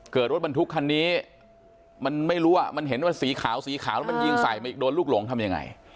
รถบรรทุกคันนี้มันไม่รู้ว่ามันเห็นว่าสีขาวสีขาวแล้วมันยิงใส่มาอีกโดนลูกหลงทำยังไง